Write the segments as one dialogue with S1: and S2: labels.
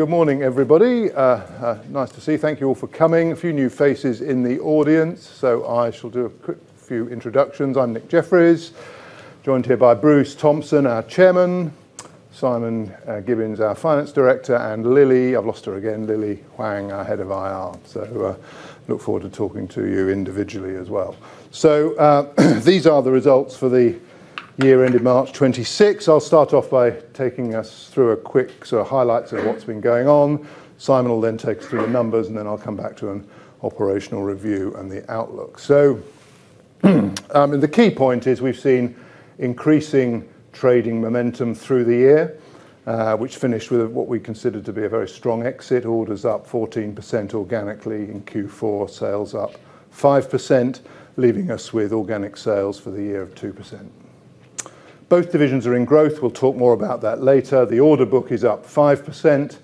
S1: Good morning, everybody. Nice to see you. Thank you all for coming. A few new faces in the audience, I shall do a quick few introductions. I'm Nick Jefferies, joined here by Bruce Thompson, our Chairman. Simon Gibbins, our Finance Director, and Lili, I've lost her again. Lili Huang, our Head of IR. Who I look forward to talking to you individually as well. These are the results for the year ended March 2026. I'll start off by taking us through a quick sort of highlights of what's been going on. Simon will then take us through the numbers, I'll come back to an operational review and the outlook. The key point is we've seen increasing trading momentum through the year, which finished with what we consider to be a very strong exit. Orders up 14% organically in Q4. Sales up 5%, leaving us with organic sales for the year of 2%. Both divisions are in growth. We'll talk more about that later. The order book is up 5%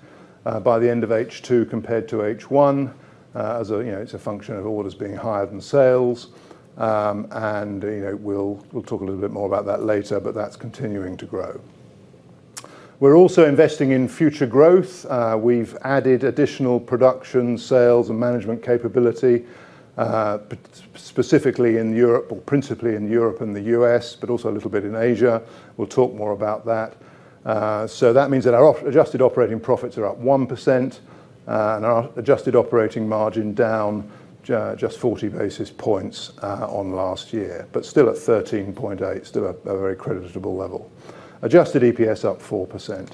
S1: by the end of H2 compared to H1. It's a function of orders being higher than sales. We'll talk a little bit more about that later, but that's continuing to grow. We're also investing in future growth. We've added additional production, sales, and management capability, specifically in Europe, or principally in Europe and the U.S., but also a little bit in Asia. We'll talk more about that. That means that our adjusted operating profits are up 1%, and our adjusted operating margin down just 40 basis points on last year, but still at 13.8%, still a very creditable level. Adjusted EPS up 4%.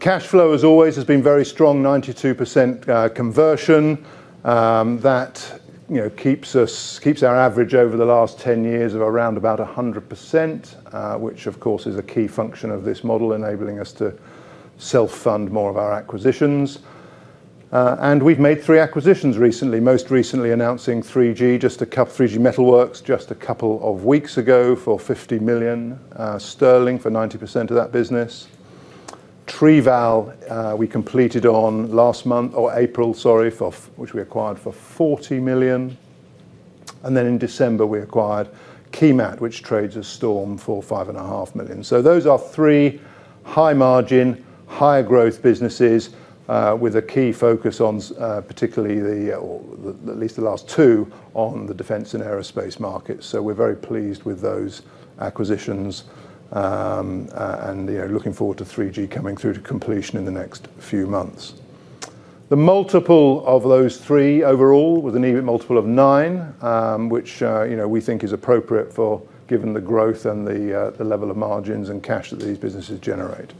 S1: Cash flow, as always, has been very strong, 92% conversion. That keeps our average over the last 10 years of around about 100%, which, of course, is a key function of this model, enabling us to self-fund more of our acquisitions. We've made three acquisitions recently, most recently announcing 3Gmetalworx just a couple of weeks ago for 50 million sterling, for 90% of that business. Trival, we completed on last month or April, sorry, which we acquired for 40 million. In December, we acquired Keymat, which trades as Storm, for 5.5 million. Those are three high margin, higher growth businesses with a key focus on, particularly or at least the last two, on the defense and aerospace markets. We're very pleased with those acquisitions, and looking forward to 3G coming through to completion in the next few months. The multiple of those three overall with an EBIT multiple of nine, which we think is appropriate given the growth and the level of margins and cash that these businesses generate.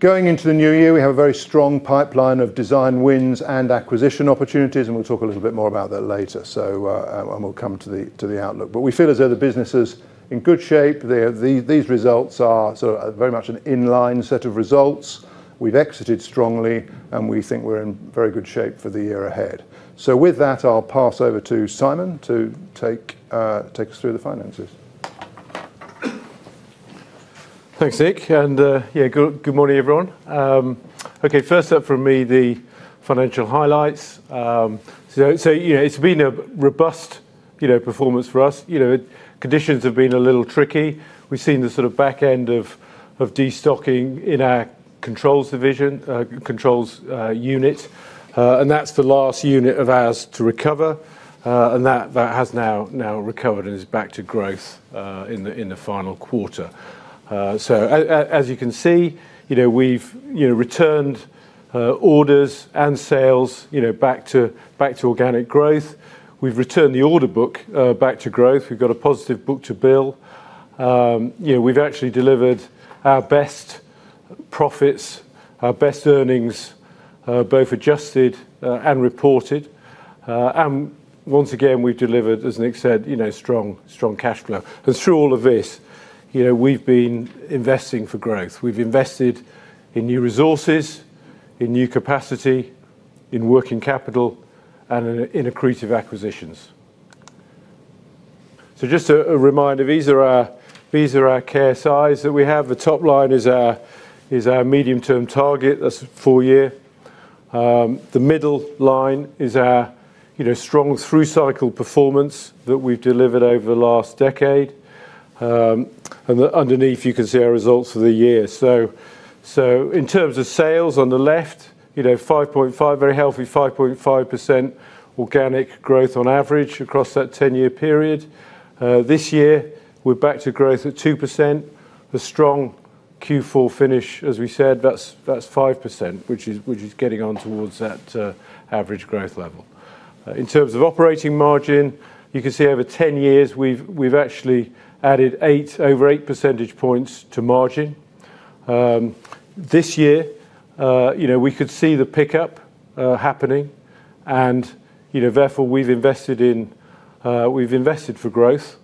S1: Going into the new year, we have a very strong pipeline of design wins and acquisition opportunities. We'll talk a little bit more about that later. We'll come to the outlook. We feel as though the business is in good shape. These results are very much an in-line set of results. We've exited strongly, and we think we're in very good shape for the year ahead. With that, I'll pass over to Simon to take us through the finances.
S2: Thanks, Nick. Good morning, everyone. First up from me, the financial highlights. It's been a robust performance for us. Conditions have been a little tricky. We've seen the sort of back end of de-stocking in our Controls division, Controls unit. That's the last unit of ours to recover, and that has now recovered and is back to growth in the final quarter. As you can see, we've returned orders and sales back to organic growth. We've returned the order book back to growth. We've got a positive book-to-bill. We've actually delivered our best profits, our best earnings, both adjusted and reported. Once again, we've delivered, as Nick said, strong cash flow. Through all of this, we've been investing for growth. We've invested in new resources, in new capacity, in working capital, and in accretive acquisitions. Just a reminder, these are our KSIs that we have. The top line is our medium-term target. That's a full year. The middle line is our strong through cycle performance that we've delivered over the last decade. Underneath, you can see our results for the year. In terms of sales on the left, very healthy 5.5% organic growth on average across that 10-year period. This year, we're back to growth at 2%, a strong Q4 finish. As we said, that's 5%, which is getting on towards that average growth level. In terms of operating margin, you can see over 10 years, we've actually added over 8 percentage points to margin. This year, we could see the pickup happening and therefore, we've invested for growth.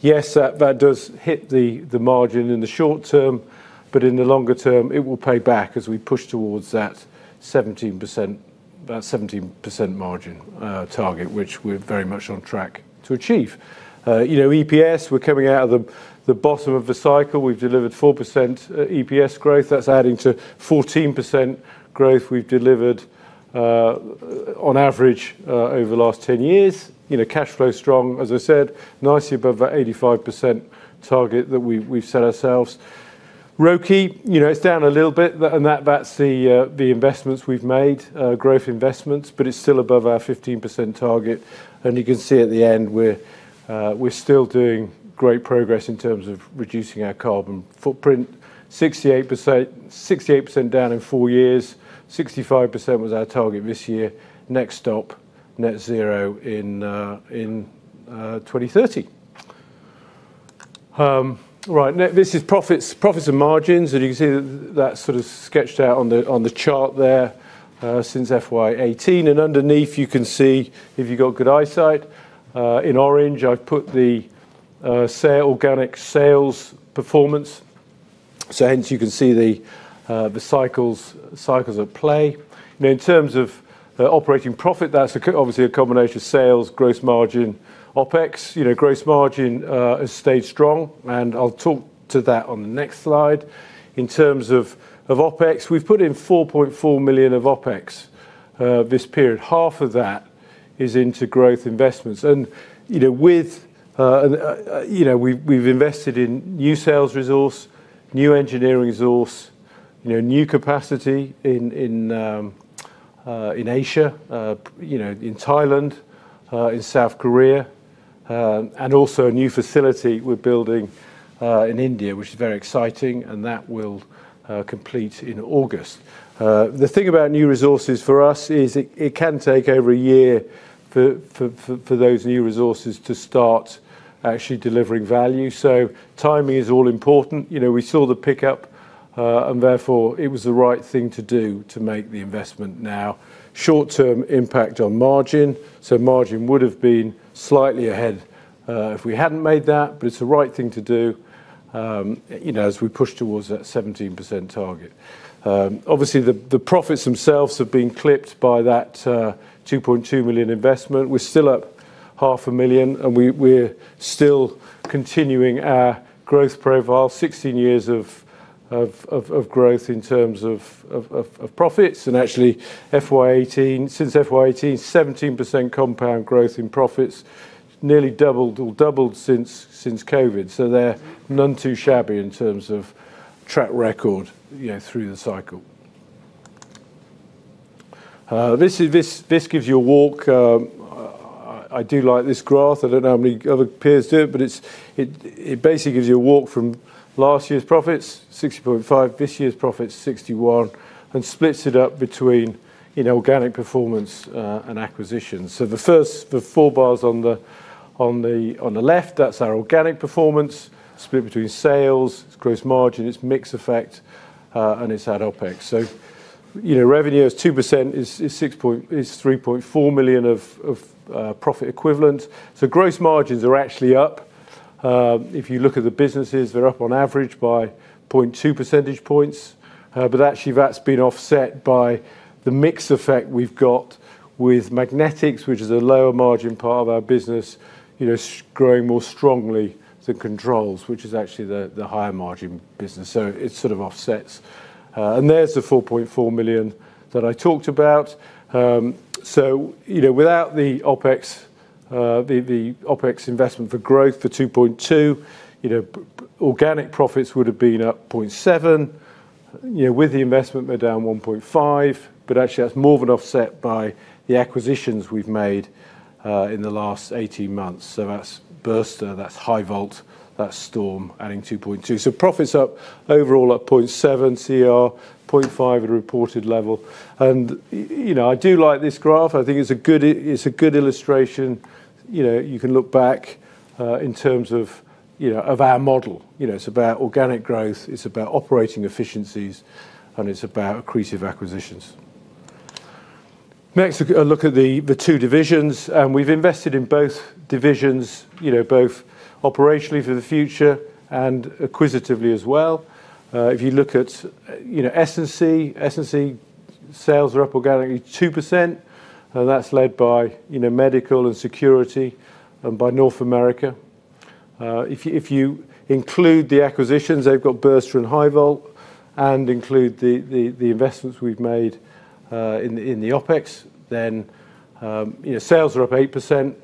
S2: Yes, that does hit the margin in the short term, but in the longer term, it will pay back as we push towards that 17% margin target, which we're very much on track to achieve. EPS, we're coming out of the bottom of the cycle. We've delivered 4% EPS growth. That's adding to 14% growth we've delivered on average over the last 10 years. Cash flow is strong, as I said, nicely above that 85% target that we've set ourselves. ROCE, it's down a little bit and that's the investments we've made, growth investments, but it's still above our 15% target. You can see at the end we're still doing great progress in terms of reducing our carbon footprint, 68% down in four years, 65% was our target this year. Next stop, net zero in 2030. Right. This is profits and margins. You can see that is sort of sketched out on the chart there, since FY 2018. Underneath you can see, if you have got good eyesight, in orange I have put the organic sales performance. Hence you can see the cycles at play. In terms of operating profit, that is obviously a combination of sales, gross margin, OpEx. Gross margin has stayed strong and I will talk to that on the next slide. In terms of OpEx, we have put in 4.4 million of OpEx this period. Half of that is into growth investments. We have invested in new sales resource, new engineering resource, new capacity in Asia, in Thailand, in South Korea, and also a new facility we are building in India, which is very exciting, and that will complete in August. The thing about new resources for us is it can take over a year for those new resources to start actually delivering value. Timing is all important. We saw the pickup, and therefore it was the right thing to do to make the investment now. Short-term impact on margin, so margin would've been slightly ahead, if we hadn't made that, but it's the right thing to do as we push towards that 17% target. Obviously, the profits themselves have been clipped by that 2.2 million investment. We're still up 500,000 and we're still continuing our growth profile, 16 years of growth in terms of profits. Actually, since FY 2018, 17% compound growth in profits, nearly doubled or doubled since COVID. They're none too shabby in terms of track record through the cycle. This gives you a walk. I do like this graph. It basically gives you a walk from last year's profits, 60.5, this year's profits, 61, and splits it up between organic performance and acquisitions. The first four bars on the left, that's our organic performance. Split between sales, its gross margin, its mix effect, and its OpEx. Revenue is 3.4 million of profit equivalent. Gross margins are actually up. If you look at the businesses, they're up on average by 0.2 percentage points. Actually that's been offset by the mix effect we've got with Magnetics, which is a lower margin part of our business growing more strongly than Controls, which is actually the higher margin business. It sort of offsets. There's the 4.4 million that I talked about. Without the OpEx investment for growth for 2.2, organic profits would've been up 0.7. With the investment, we're down 1.5, actually that's more than offset by the acquisitions we've made in the last 18 months. That's Burster, that's HiVolt, that's Storm adding 2.2. Profits up, overall up 0.7 CER, 0.5 at a reported level. I do like this graph. I think it's a good illustration. You can look back, in terms of our model. It's about organic growth, it's about operating efficiencies, and it's about accretive acquisitions. Next, a look at the two divisions. We've invested in both divisions, both operationally for the future and acquisitively as well. If you look at S&C, S&C sales are up organically 2%, that's led by medical and security and by North America. If you include the acquisitions, they've got Burster and HiVolt, and include the investments we've made in the OpEx, then sales are up 8%,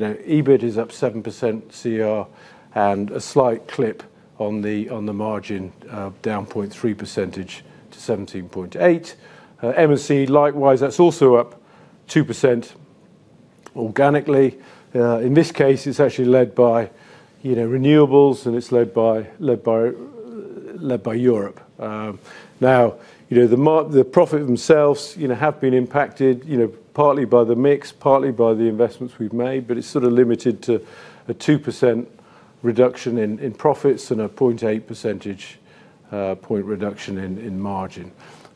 S2: EBIT is up 7% CER, and a slight clip on the margin of down 0.3 percentage to 17.8%. M&C likewise, that's also up 2% organically. In this case, it's actually led by renewables and it's led by Europe. Now, the profit themselves have been impacted partly by the mix, partly by the investments we've made, but it's sort of limited to a 2% reduction in profits and a 0.8 percentage point reduction in margin.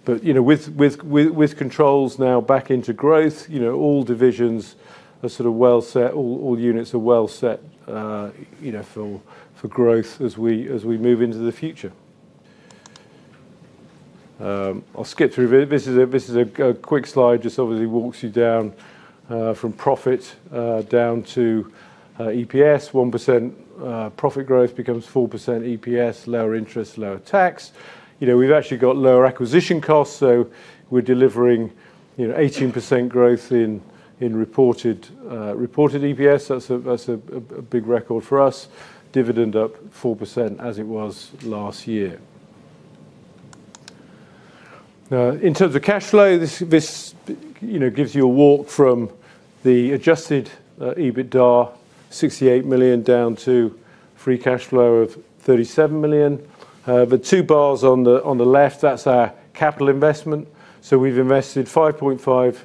S2: With controls now back into growth, all divisions are sort of well set, all units are well set for growth as we move into the future. I'll skip through. This is a quick slide, just obviously walks you down from profit, down to EPS, 1% profit growth becomes 4% EPS, lower interest, lower tax. We've actually got lower acquisition costs, we're delivering 18% growth in reported EPS. That's a big record for us. Dividend up 4%, as it was last year. In terms of cash flow, this gives you a walk from the adjusted EBITDA, 68 million, down to free cash flow of 37 million. The two bars on the left, that's our capital investment. We've invested 5.5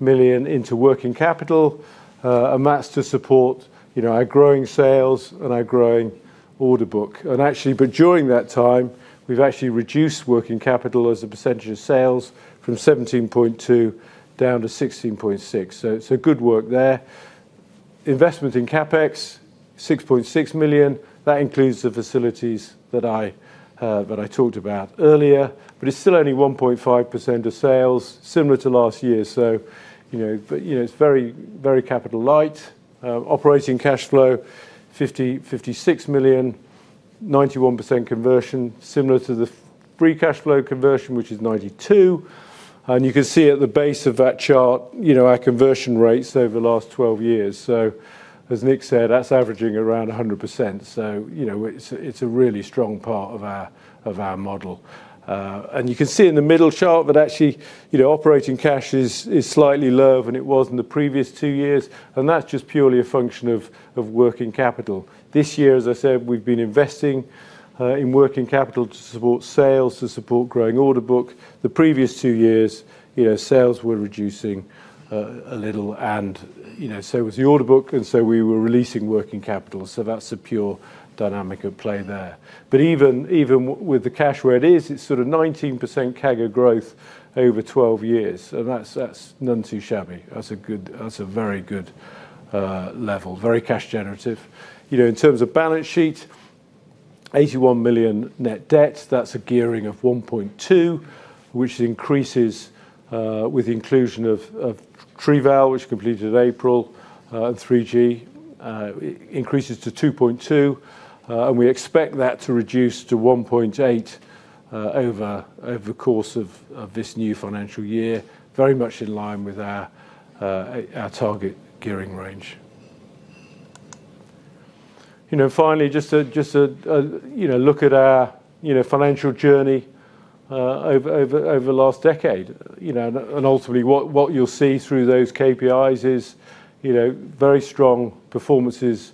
S2: million into working capital. That's to support our growing sales and our growing order book. Actually, during that time, we've actually reduced working capital as a percentage of sales from 17.2% down to 16.6%. It's good work there. Investment in CapEx, 6.6 million. That includes the facilities that I talked about earlier, but it's still only 1.5% of sales, similar to last year. It's very capital light. Operating cash flow, 56 million. 91% conversion, similar to the free cash flow conversion, which is 92%. You can see at the base of that chart, our conversion rates over the last 12 years. As Nick said, that's averaging around 100%. It's a really strong part of our model. You can see in the middle chart that actually, operating cash is slightly lower than it was in the previous two years, and that's just purely a function of working capital. This year, as I said, we've been investing in working capital to support sales, to support growing order book. The previous two years, sales were reducing a little and so was the order book, and so we were releasing working capital. That's a pure dynamic at play there. Even with the cash where it is, it's sort of 19% CAGR growth over 12 years. That's none too shabby. That's a very good level. Very cash generative. In terms of balance sheet, 81 million net debt. That's a gearing of 1.2, which increases with the inclusion of Trival, which completed in April, and 3G. It increases to 2.2, and we expect that to reduce to 1.8 over the course of this new financial year, very much in line with our target gearing range. Finally, just to look at our financial journey over the last decade. Ultimately, what you'll see through those KPIs is very strong performances,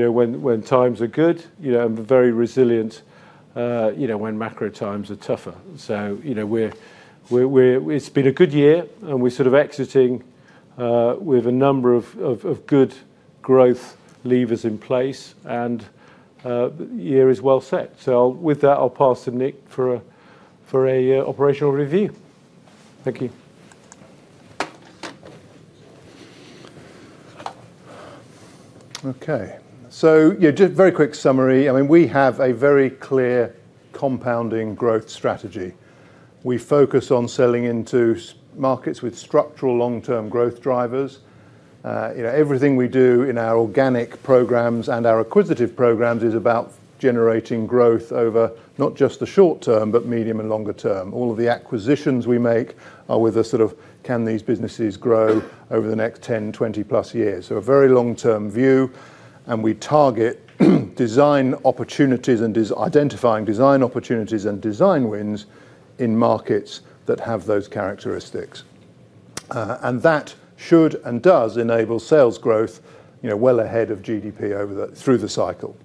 S2: when times are good, and very resilient when macro times are tougher. It's been a good year, and we're sort of exiting with a number of good growth levers in place, and the year is well set. With that, I'll pass to Nick for a operational review. Thank you.
S1: Okay. Just a very quick summary. We have a very clear compounding growth strategy. We focus on selling into markets with structural long-term growth drivers. Everything we do in our organic programs and our acquisitive programs is about generating growth over not just the short term, but medium and longer term. All of the acquisitions we make are with a sort of can these businesses grow over the next 10, 20+ years? A very long-term view, and we target design opportunities, and identifying design opportunities and design wins in markets that have those characteristics. That should and does enable sales growth well ahead of GDP through the cycle.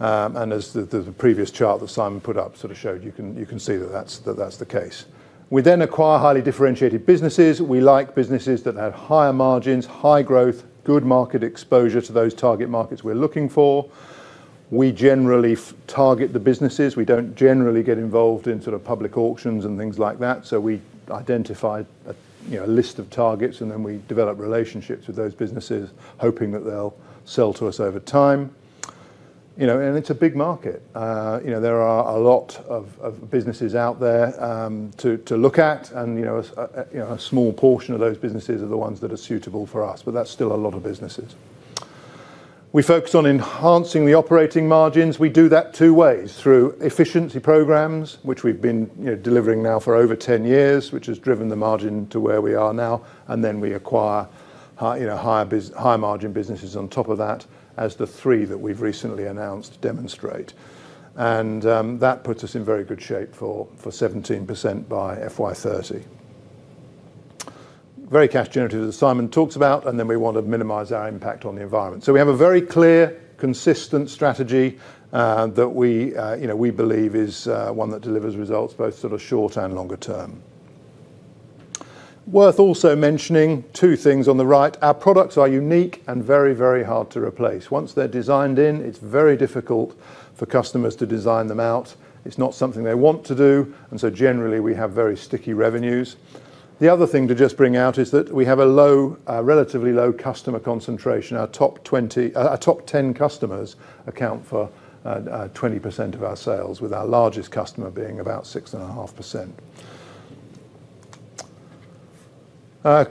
S1: As the previous chart that Simon put up sort of showed you can see that that's the case. We then acquire highly differentiated businesses. We like businesses that have higher margins, high growth, good market exposure to those target markets we're looking for. We generally target the businesses. We don't generally get involved in sort of public auctions and things like that. We identify a list of targets, and then we develop relationships with those businesses, hoping that they'll sell to us over time. It's a big market. There are a lot of businesses out there to look at, and a small portion of those businesses are the ones that are suitable for us, but that's still a lot of businesses. We focus on enhancing the operating margins. We do that two ways. Through efficiency programs, which we've been delivering now for over 10 years, which has driven the margin to where we are now, and then we acquire higher margin businesses on top of that, as the three that we've recently announced demonstrate. That puts us in very good shape for 17% by FY 2030. Very cash generative, as Simon talked about, and then we want to minimize our impact on the environment. We have a very clear, consistent strategy that we believe is one that delivers results both sort of short and longer term. Worth also mentioning two things on the right. Our products are unique and very hard to replace. Once they're designed in, it's very difficult for customers to design them out. It's not something they want to do. Generally, we have very sticky revenues. The other thing to just bring out is that we have a relatively low customer concentration. Our top 10 customers account for 20% of our sales, with our largest customer being about 6.5%. A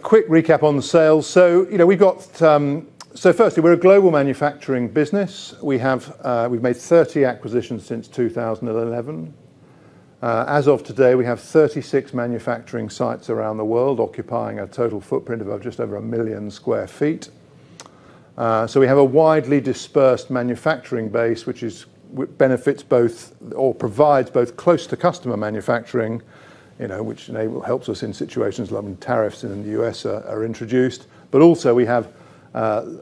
S1: quick recap on the sales. Firstly, we are a global manufacturing business. We have made 30 acquisitions since 2011. As of today, we have 36 manufacturing sites around the world occupying a total footprint of just over 1 million square feet. We have a widely dispersed manufacturing base, which provides both close to customer manufacturing, which helps us in situations when tariffs in the U.S. are introduced, but also we have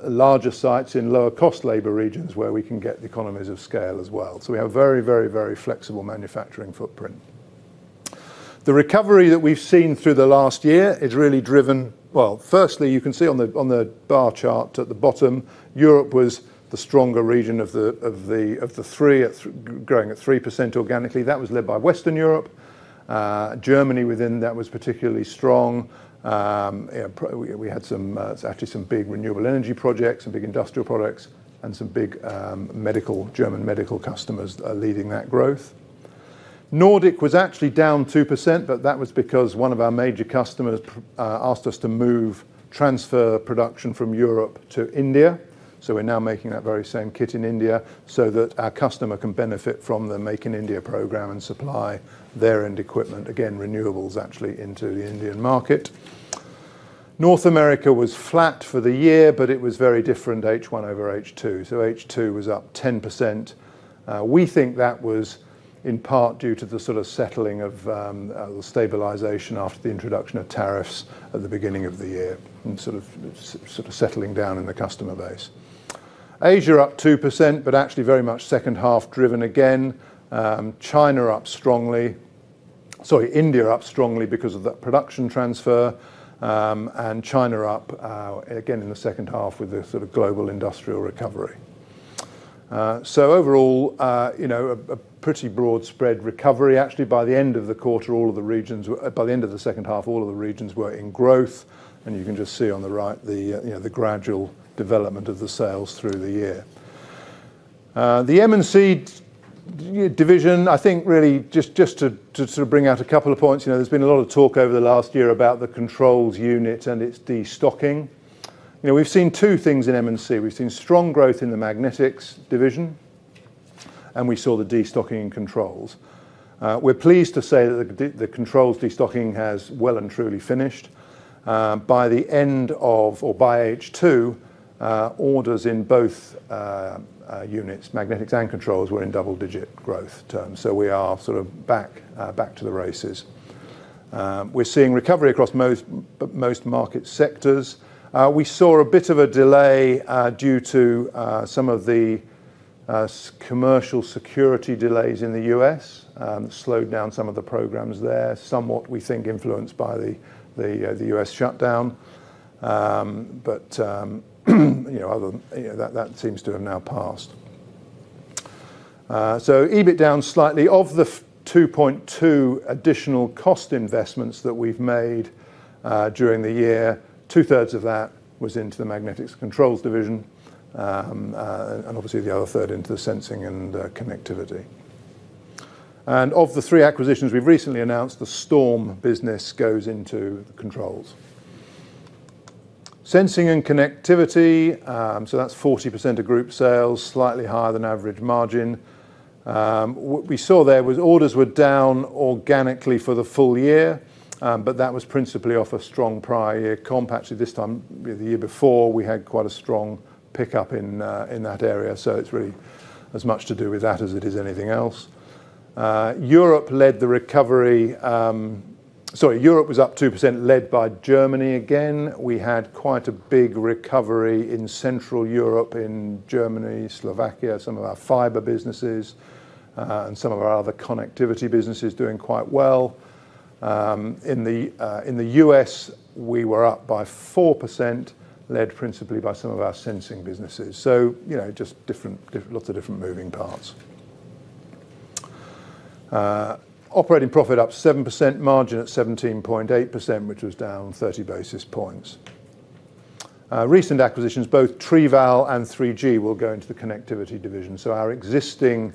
S1: larger sites in lower cost labor regions where we can get the economies of scale as well. We have very flexible manufacturing footprint. The recovery that we have seen through the last year is really, well, firstly, you can see on the bar chart at the bottom, Europe was the stronger region of the three, growing at 3% organically. That was led by Western Europe. Germany within that was particularly strong. We had actually some big renewable energy projects, some big industrial products, and some big German medical customers are leading that growth. Nordic was actually down 2%, but that was because one of our major customers asked us to move transfer production from Europe to India. We are now making that very same kit in India so that our customer can benefit from the Make in India program and supply their end equipment, again, renewables actually into the Indian market. North America was flat for the year, but it was very different H1 over H2, so H2 was up 10%. We think that was in part due to the sort of settling of the stabilization after the introduction of tariffs at the beginning of the year and sort of settling down in the customer base. Asia up 2%, but actually very much second half driven again. China up strongly. Sorry, India up strongly because of that production transfer. China up, again in the second half with the sort of global industrial recovery. Overall, a pretty broad spread recovery. Actually, by the end of the second half, all of the regions were in growth, and you can just see on the right the gradual development of the sales through the year. The M&C division, I think really just to sort of bring out a couple of points, there's been a lot of talk over the last year about the Controls unit and its de-stocking. We have seen two things in M&C. We have seen strong growth in the Magnetics division, and we saw the de-stocking in Controls. We are pleased to say that the Controls de-stocking has well and truly finished. By H2, orders in both units, Magnetics and Controls, were in double-digit growth terms. We are sort of back to the races. We are seeing recovery across most market sectors. We saw a bit of a delay due to some of the commercial security delays in the U.S., slowed down some of the programs there, somewhat, we think, influenced by the U.S. shutdown. That seems to have now passed. EBIT down slightly. Of the 2.2 additional cost investments that we have made during the year, two thirds of that was into the Magnetics & Controls division. Obviously the other third into the Sensing & Connectivity. Of the three acquisitions we have recently announced, the Storm business goes into Controls. Sensing & Connectivity, so that's 40% of group sales, slightly higher than average margin. What we saw there was orders were down organically for the full year, but that was principally off a strong prior year comp. Actually, this time the year before, we had quite a strong pickup in that area. It's really as much to do with that as it is anything else. Europe was up 2%, led by Germany again. We had quite a big recovery in Central Europe, in Germany, Slovakia, some of our fiber businesses, and some of our other connectivity businesses doing quite well. In the U.S., we were up by 4%, led principally by some of our sensing businesses. Just lots of different moving parts. Operating profit up 7%, margin at 17.8%, which was down 30 basis points. Recent acquisitions, both Trival and 3Gmetalworx will go into the Connectivity division. Our existing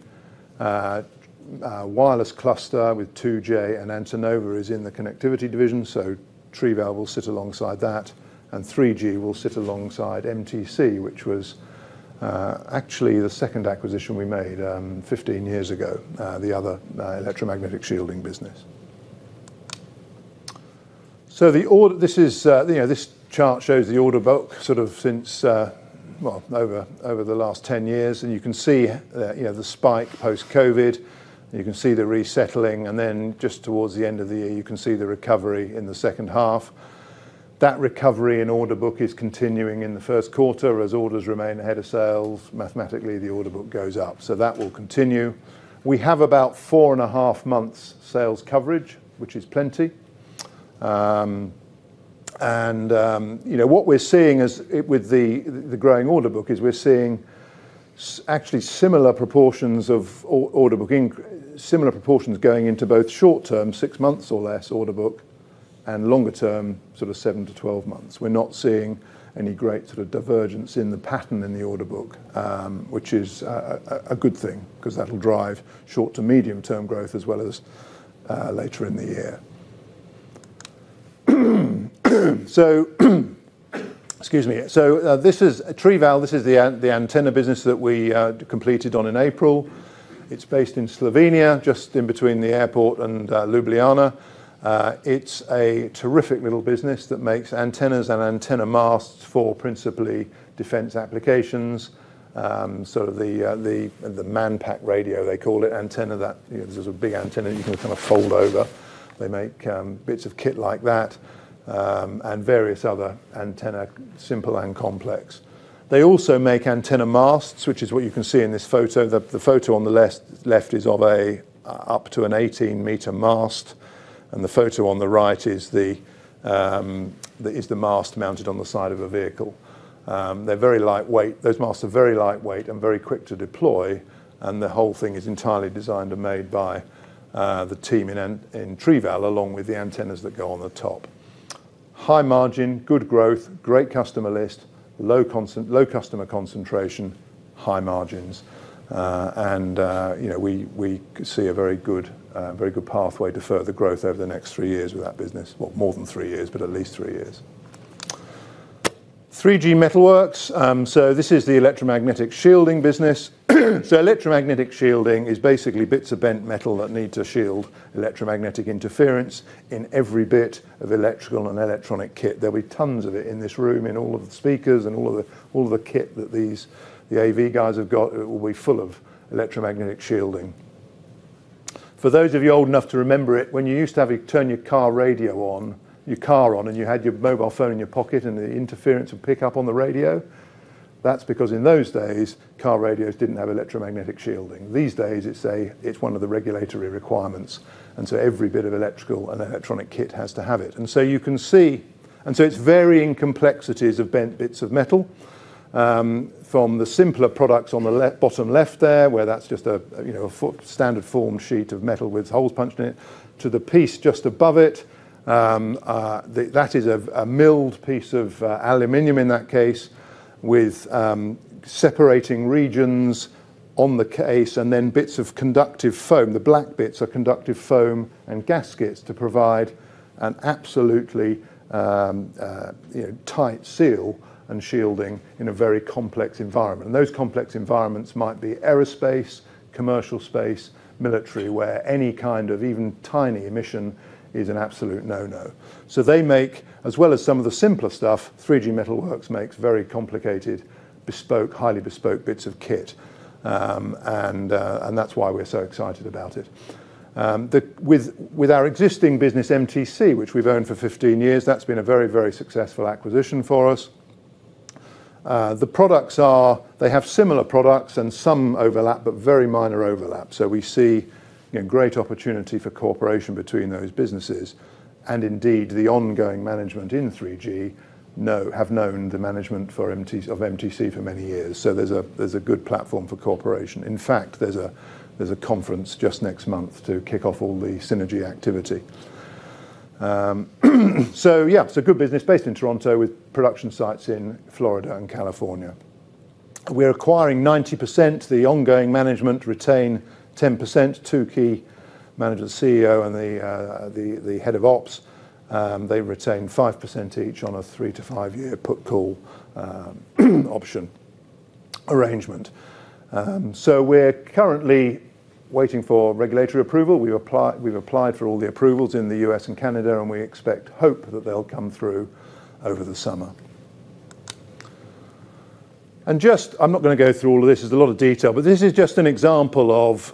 S1: wireless cluster with 2J and Antenova is in the Connectivity division. Trival will sit alongside that, and 3Gmetalworx will sit alongside MTC Micro Tech Components, which was actually the second acquisition we made 15 years ago, the other electromagnetic shielding business. This chart shows the order book sort of over the last 10 years. You can see the spike post-COVID. You can see the resettling, and then just towards the end of the year, you can see the recovery in the second half. That recovery in order book is continuing in the first quarter as orders remain ahead of sales. Mathematically, the order book goes up. That will continue. We have about 4.5 months sales coverage, which is plenty. What we are seeing with the growing order book is we are seeing actually similar proportions going into both short term, six months or less order book, and longer term, sort of seven to 12 months. We are not seeing any great sort of divergence in the pattern in the order book, which is a good thing 'cause that will drive short to medium term growth as well as later in the year. Excuse me. This is Trival. This is the antenna business that we completed on in April. It's based in Slovenia, just in between the airport and Ljubljana. It's a terrific little business that makes antennas and antenna masts for principally defense applications. The manpack radio, they call it, antenna that, there's a big antenna you can kind of fold over. They make bits of kit like that, and various other antenna, simple and complex. They also make antenna masts, which is what you can see in this photo. The photo on the left is of up to an 18 m mast, and the photo on the right is the mast mounted on the side of a vehicle. They're very lightweight. Those masts are very lightweight and very quick to deploy, and the whole thing is entirely designed and made by the team in Trival, along with the antennas that go on the top. High margin, good growth, great customer list. Low customer concentration, high margins. We see a very good pathway to further growth over the next three years with that business. Well, more than three years, but at least three years. 3Gmetalworx. This is the electromagnetic shielding business. Electromagnetic shielding is basically bits of bent metal that need to shield electromagnetic interference in every bit of electrical and electronic kit. There'll be tons of it in this room, in all of the speakers and all of the kit that the AV guys have got. It will be full of electromagnetic shielding. For those of you old enough to remember it, when you used to have to turn your car radio on, your car on, and you had your mobile phone in your pocket and the interference would pick up on the radio, that's because in those days, car radios didn't have electromagnetic shielding. These days, it's one of the regulatory requirements, every bit of electrical and electronic kit has to have it. It's varying complexities of bent bits of metal. From the simpler products on the bottom left there, where that's just a standard form sheet of metal with holes punched in it, to the piece just above it. That is a milled piece of aluminum in that case, with separating regions on the case, then bits of conductive foam. The black bits are conductive foam and gaskets to provide an absolutely tight seal and shielding in a very complex environment. Those complex environments might be aerospace, commercial space, military, where any kind of even tiny emission is an absolute no-no. They make, as well as some of the simpler stuff, 3Gmetalworx makes very complicated, highly bespoke bits of kit. That's why we're so excited about it. With our existing business, MTC, which we've owned for 15 years, that's been a very, very successful acquisition for us. They have similar products and some overlap, very minor overlap. We see great opportunity for cooperation between those businesses. Indeed, the ongoing management in 3Gmetalworx have known the management of MTC for many years. There's a good platform for cooperation. In fact, there's a conference just next month to kick off all the synergy activity. It's a good business based in Toronto with production sites in Florida and California. We're acquiring 90%, the ongoing management retain 10%, two key managers, CEO and the head of ops. They retain 5% each on a three- to five-year put call option arrangement. We're currently waiting for regulatory approval. We've applied for all the approvals in the U.S. and Canada, and we expect, hope, that they'll come through over the summer. I'm not going to go through all of this. There's a lot of detail. This is just an example of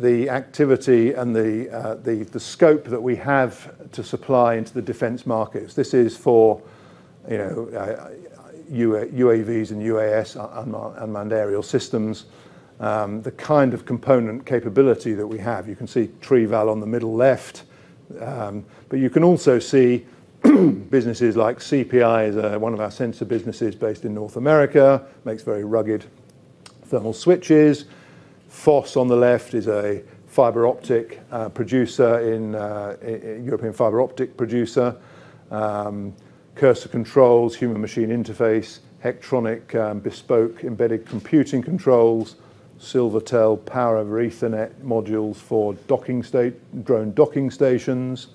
S1: the activity and the scope that we have to supply into the defense markets. This is for UAVs and UAS, unmanned aerial systems, the kind of component capability that we have. You can see Trival on the middle left. You can also see businesses like CPI is one of our sensor businesses based in North America. Makes very rugged thermal switches. FOSS on the left is a European fiber optic producer. Cursor Controls, human-machine interface. Hectronic, bespoke embedded computing controls. Silvertel, Power over Ethernet modules for drone docking stations.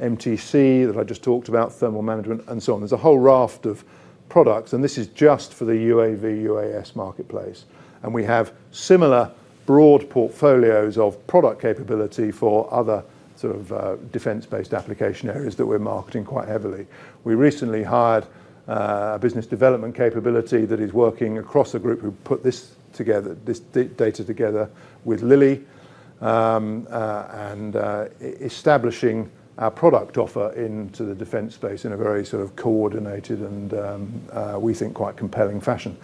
S1: MTC, that I just talked about, thermal management, and so on. There's a whole raft of products, this is just for the UAV, UAS marketplace. We have similar broad portfolios of product capability for other sort of defense-based application areas that we're marketing quite heavily. We recently hired a business development capability that is working across the group who put this data together with Lili, establishing our product offer into the defense space in a very sort of coordinated and, we think, quite compelling fashion.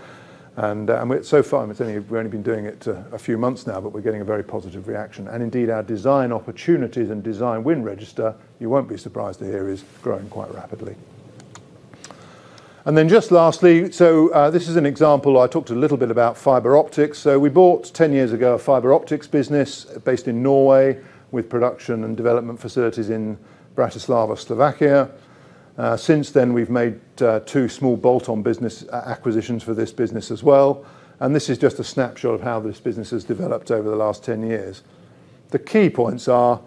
S1: So far, we've only been doing it a few months now, but we're getting a very positive reaction. Indeed, our design opportunities and design win register, you won't be surprised to hear, is growing quite rapidly. Just lastly, this is an example. I talked a little bit about fiber optics. We bought, 10 years ago, a fiber optics business based in Norway with production and development facilities in Bratislava, Slovakia. Since then, we've made two small bolt-on business acquisitions for this business as well. This is just a snapshot of how this business has developed over the last 10 years. The key points are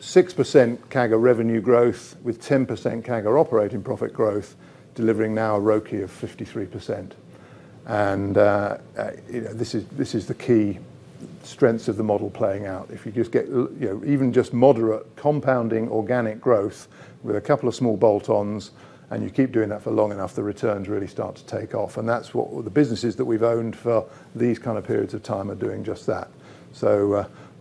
S1: 6% CAGR revenue growth with 10% CAGR operating profit growth, delivering now a ROCE of 53%. This is the key strengths of the model playing out. If you just get even just moderate compounding organic growth with a couple of small bolt-ons, and you keep doing that for long enough, the returns really start to take off. That's what all the businesses that we've owned for these kind of periods of time are doing just that.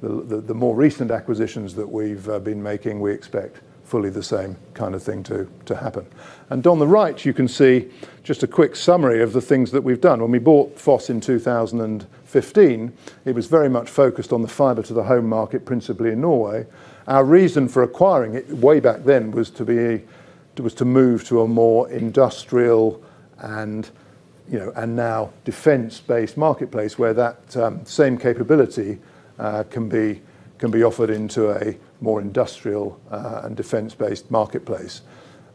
S1: The more recent acquisitions that we've been making, we expect fully the same kind of thing to happen. On the right, you can see just a quick summary of the things that we've done. When we bought FOSS in 2015, it was very much focused on the fiber to the home market, principally in Norway. Our reason for acquiring it way back then was to move to a more industrial and now defense-based marketplace, where that same capability can be offered into a more industrial and defense-based marketplace.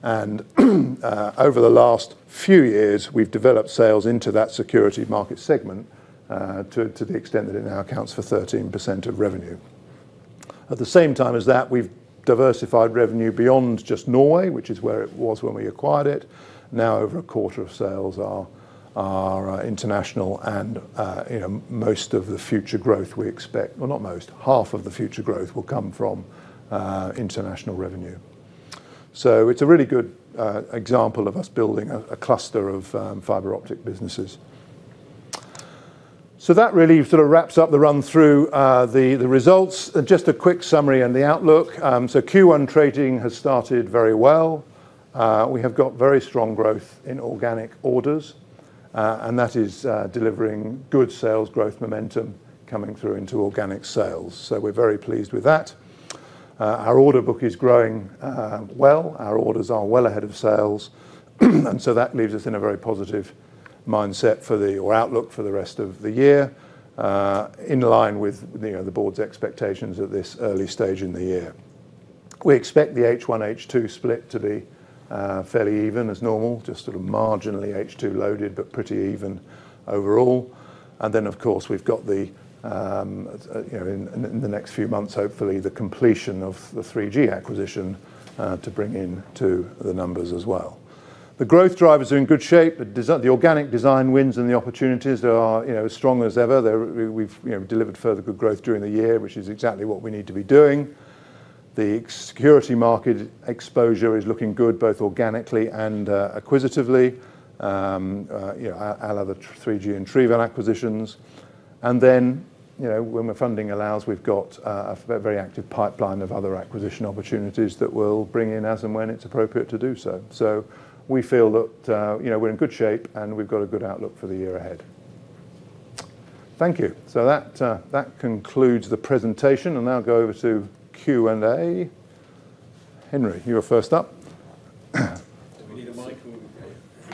S1: Over the last few years, we've developed sales into that security market segment, to the extent that it now accounts for 13% of revenue. At the same time as that, we've diversified revenue beyond just Norway, which is where it was when we acquired it. Over a quarter of sales are international and most of the future growth we expect, well, not most, half of the future growth will come from international revenue. It's a really good example of us building a cluster of fiber optic businesses. That really sort of wraps up the run-through the results. Just a quick summary and the outlook. Q1 trading has started very well. We have got very strong growth in organic orders. That is delivering good sales growth momentum coming through into organic sales. We're very pleased with that. Our order book is growing well. Our orders are well ahead of sales. That leaves us in a very positive mindset for the outlook for the rest of the year, in line with the board's expectations at this early stage in the year. We expect the H1, H2 split to be fairly even as normal, just sort of marginally H2 loaded, pretty even overall. Of course, we've got in the next few months, hopefully, the completion of the 3Gmetalworx acquisition to bring into the numbers as well. The growth drivers are in good shape. The organic design wins and the opportunities are as strong as ever. We've delivered further good growth during the year, which is exactly what we need to be doing. The security market exposure is looking good, both organically and acquisitively. A la the 3Gmetalworx and Trival acquisitions. When the funding allows, we've got a very active pipeline of other acquisition opportunities that we'll bring in as and when it's appropriate to do so. We feel that we're in good shape and we've got a good outlook for the year ahead. Thank you. That concludes the presentation. I'll now go over to Q&A. Henry, you are first up.
S3: Do we need a mic or are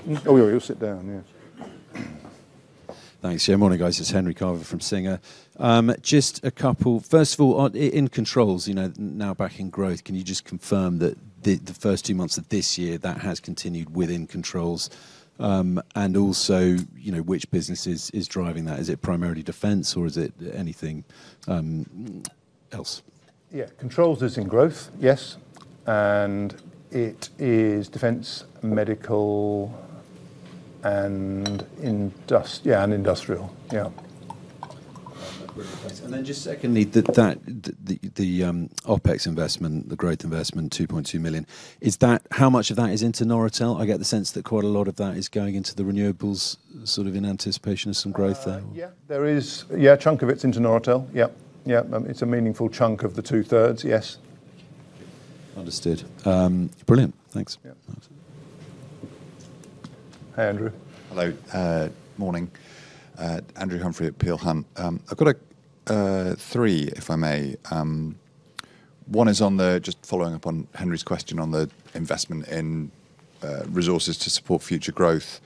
S3: we good?
S1: Oh, you'll sit down, yeah.
S3: Thanks. Yeah, morning, guys. It's Henry Carver from Singer. First of all, in Controls, now back in growth, can you just confirm that the first two months of this year, that has continued within Controls? Which business is driving that? Is it primarily defense or is it anything else?
S1: Yeah. Controls is in growth, yes. It is defense, medical, and industrial. Yeah.
S3: Brilliant. Thanks. Just secondly, the OpEx investment, the growth investment, 2.2 million. How much of that is into Noratel? I get the sense that quite a lot of that is going into the renewables, sort of in anticipation of some growth there.
S1: Yeah, a chunk of it's into Noratel. Yep. It's a meaningful chunk of the two-thirds. Yes.
S3: Understood. Brilliant. Thanks.
S1: Yep. Hi, Andrew.
S4: Hello. Morning. Andrew Humphrey at Peel Hunt. I've got three, if I may. One is just following up on Henry's question on the investment in resources to support future growth.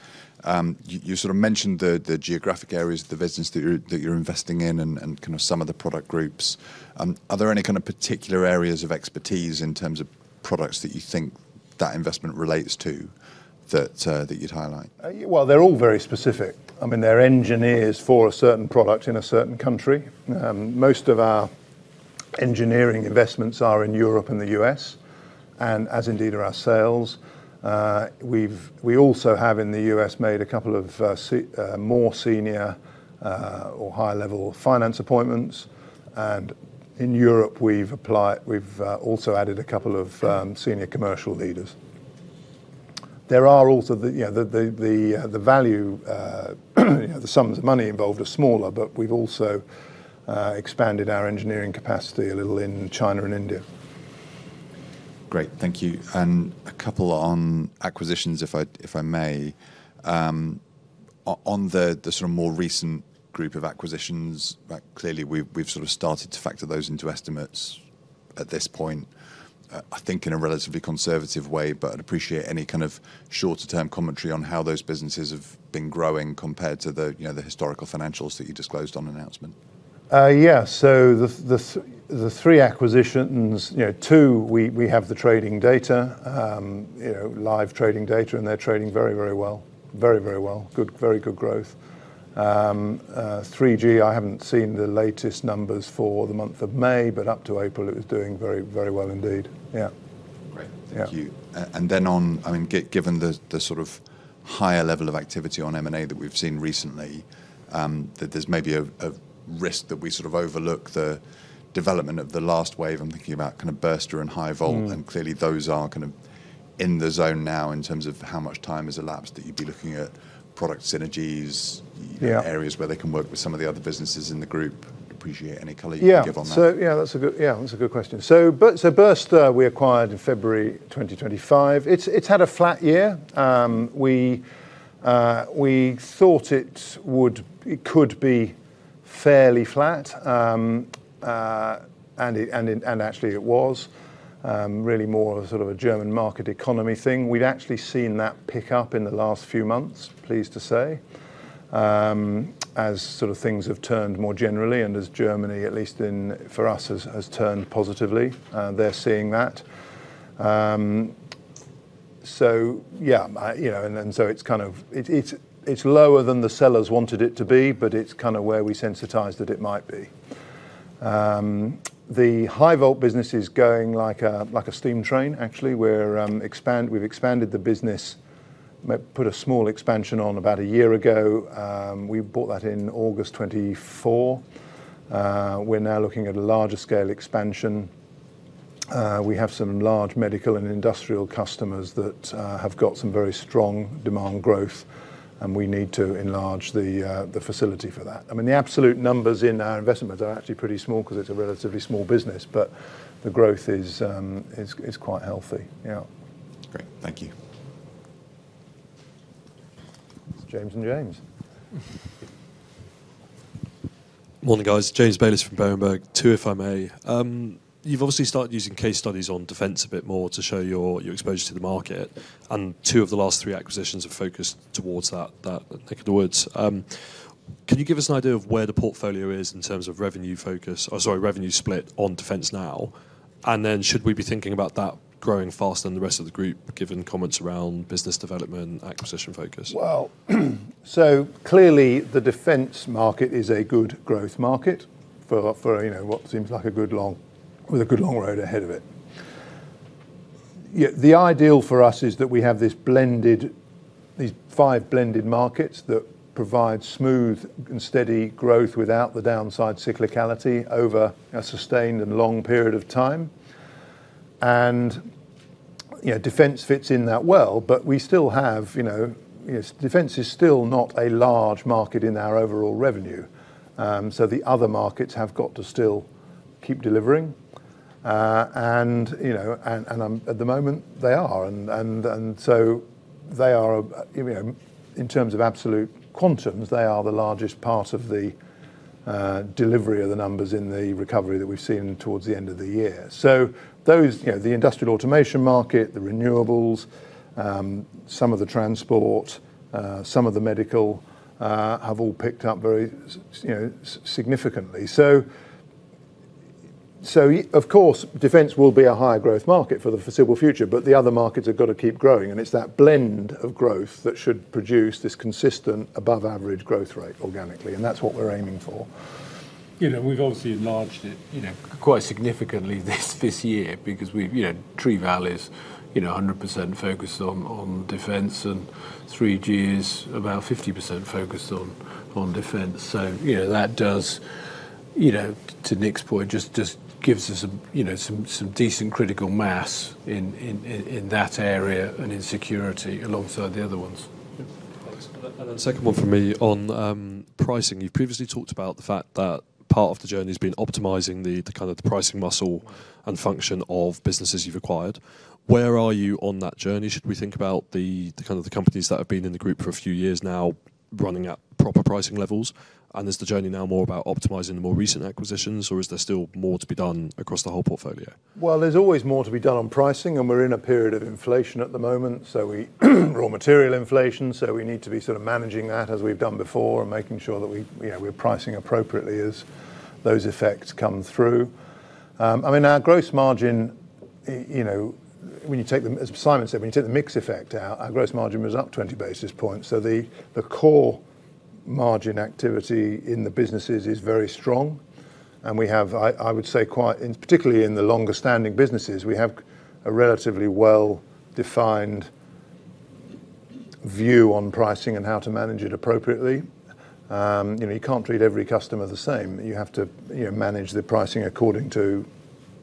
S4: You sort of mentioned the geographic areas of the business that you're investing in and kind of some of the product groups. Are there any kind of particular areas of expertise in terms of products that you think that investment relates to, that you'd highlight?
S1: Well, they're all very specific. I mean, they're engineers for a certain product in a certain country. Most of our engineering investments are in Europe and the U.S., and as indeed are our sales. We also have in the U.S. made a couple of more senior or high-level finance appointments. In Europe, we've also added a couple of senior commercial leaders. There are also the value, the sums of money involved are smaller, but we've also expanded our engineering capacity a little in China and India.
S4: Great. Thank you. A couple on acquisitions, if I may. On the sort of more recent group of acquisitions, clearly we've sort of started to factor those into estimates at this point, I think in a relatively conservative way. I'd appreciate any kind of shorter-term commentary on how those businesses have been growing compared to the historical financials that you disclosed on announcement.
S1: Yeah. The three acquisitions, two, we have the trading data, live trading data, and they're trading very, very well. Very, very well. Very good growth. 3Gmetalworx, I haven't seen the latest numbers for the month of May, but up to April it was doing very, very well indeed. Yeah.
S4: Great.
S1: Yeah.
S4: Thank you. Then on, given the sort of higher level of activity on M&A that we've seen recently, that there's maybe a risk that we sort of overlook the development of the last wave. I'm thinking about kind of Burster and Hi-Volt, and clearly those are kind of in the zone now in terms of how much time has elapsed that you'd be looking at product synergies-
S1: Yeah
S4: areas where they can work with some of the other businesses in the group. Appreciate any color you can give on that.
S1: Yeah, that's a good question. Burster, we acquired in February 2025. It's had a flat year. We thought it could be fairly flat, and actually it was, really more of a sort of a German market economy thing. We'd actually seen that pick up in the last few months, pleased to say, as sort of things have turned more generally and as Germany, at least for us, has turned positively. They're seeing that. Yeah. It's lower than the sellers wanted it to be, but it's kind of where we sensitized that it might be. The HiVolt business is going like a steam train, actually. We've expanded the business, put a small expansion on about a year ago. We bought that in August 2024. We're now looking at a larger scale expansion. We have some large medical and industrial customers that have got some very strong demand growth, and we need to enlarge the facility for that. The absolute numbers in our investments are actually pretty small because it's a relatively small business, but the growth is quite healthy. Yeah.
S4: Great. Thank you.
S1: It's James and James.
S5: Morning, guys. James Bayliss from Berenberg. Two, if I may. You've obviously started using case studies on defense a bit more to show your exposure to the market, and two of the last three acquisitions have focused towards that thick of the woods. Can you give us an idea of where the portfolio is in terms of revenue focus, or sorry, revenue split on defense now? Should we be thinking about that growing faster than the rest of the group, given comments around business development and acquisition focus?
S1: Clearly the defense market is a good growth market for what seems like a good long road ahead of it. The ideal for us is that we have these five blended markets that provide smooth and steady growth without the downside cyclicality over a sustained and long period of time. Defense fits in that well, but defense is still not a large market in our overall revenue. The other markets have got to still keep delivering. At the moment they are. In terms of absolute quantums, they are the largest part of the delivery of the numbers in the recovery that we've seen towards the end of the year. The industrial automation market, the renewables, some of the transport, some of the medical, have all picked up very significantly. Of course, defense will be a higher growth market for the foreseeable future, but the other markets have got to keep growing. It's that blend of growth that should produce this consistent above average growth rate organically. That's what we're aiming for.
S2: We've obviously enlarged it quite significantly this year because Trival's 100% focused on defense and 3Gmetalworx is about 50% focused on defense. That does, to Nick's point, just gives us some decent critical mass in that area and in security alongside the other ones.
S5: Thanks. Second one from me on pricing. You've previously talked about the fact that part of the journey's been optimizing the kind of the pricing muscle and function of businesses you've acquired. Where are you on that journey? Should we think about the companies that have been in the group for a few years now running at proper pricing levels? Is the journey now more about optimizing the more recent acquisitions, or is there still more to be done across the whole portfolio?
S1: Well, there's always more to be done on pricing, and we're in a period of inflation at the moment. Raw material inflation, we need to be sort of managing that as we've done before and making sure that we're pricing appropriately as those effects come through. As Simon said, when you take the mix effect out, our gross margin was up 20 basis points. The core margin activity in the businesses is very strong, and I would say particularly in the longer-standing businesses, we have a relatively well-defined view on pricing and how to manage it appropriately. You can't treat every customer the same. You have to manage the pricing according to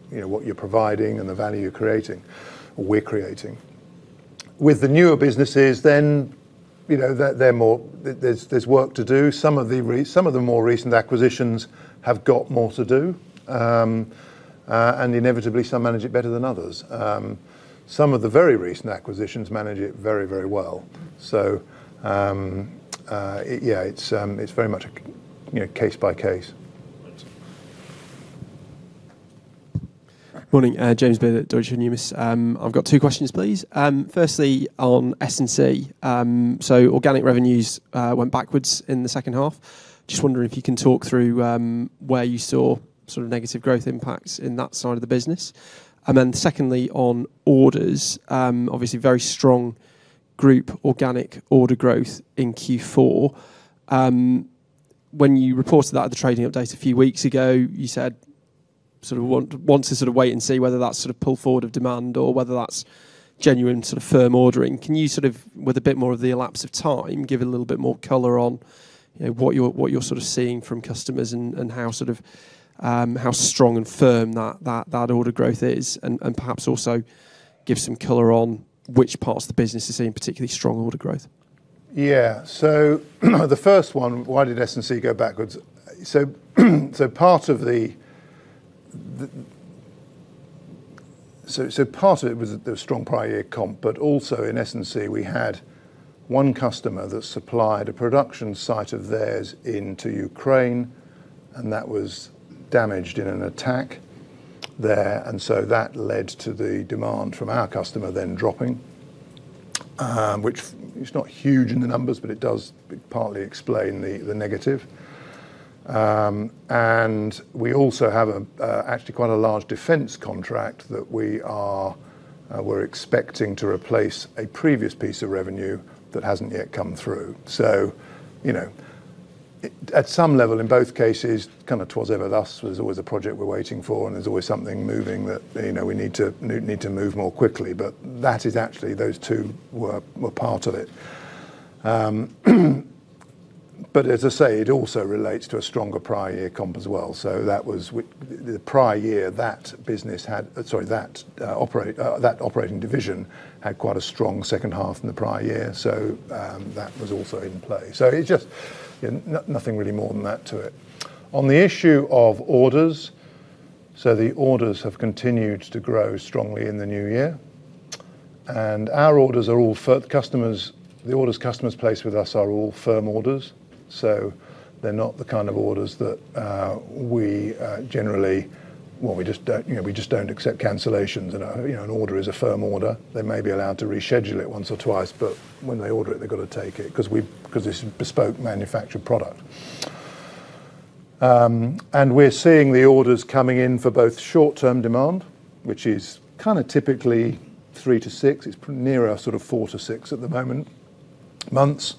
S1: what you're providing and the value you're creating, or we're creating. With the newer businesses, there's work to do. Some of the more recent acquisitions have got more to do. Inevitably, some manage it better than others. Some of the very recent acquisitions manage it very, very well. Yeah, it's very much a case by case.
S6: Morning. James Beard at Deutsche Numis. I've got two questions, please. Firstly, on S&C. Organic revenues went backwards in the second half. Just wondering if you can talk through where you saw negative growth impacts in that side of the business. Secondly, on orders. Obviously, very strong group organic order growth in Q4. When you reported that at the trading update a few weeks ago, you said you want to sort of wait and see whether that's pull forward of demand or whether that's genuine firm ordering. Can you, with a bit more of the elapse of time, give a little bit more color on what you're seeing from customers and how strong and firm that order growth is? Perhaps also give some color on which parts of the business are seeing particularly strong order growth.
S1: Yeah. The first one, why did S&C go backwards? Part of it was the strong prior year comp, but also in S&C, we had one customer that supplied a production site of theirs into Ukraine, and that was damaged in an attack there. That led to the demand from our customer then dropping, which is not huge in the numbers, but it does partly explain the negative. We also have actually quite a large defense contract that we are expecting to replace a previous piece of revenue that hasn't yet come through. At some level, in both cases, it was ever, thus was always a project we're waiting for, and there's always something moving that we need to move more quickly. That is actually, those two were part of it. As I say, it also relates to a stronger prior year comp as well. That was the prior year that operating division had quite a strong second half in the prior year. That was also in play. It's just nothing really more than that to it. On the issue of orders, the orders have continued to grow strongly in the new year. Our orders are all firm. The orders customers place with us are all firm orders, so they're not the kind of orders that we just don't accept cancellations. An order is a firm order. They may be allowed to reschedule it once or twice, but when they order it, they've got to take it, because this is a bespoke manufactured product. We're seeing the orders coming in for both short-term demand, which is typically three to six. It's nearer four to six at the moment, months.